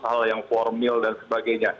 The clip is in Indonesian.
hal yang formil dan sebagainya